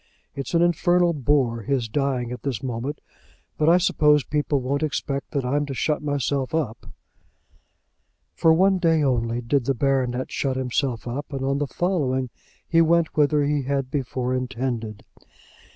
It's an infernal bore, his dying at this moment; but I suppose people won't expect that I'm to shut myself up." For one day only did the baronet shut himself up, and on the following he went whither he had before intended.